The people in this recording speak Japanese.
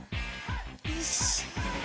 よし。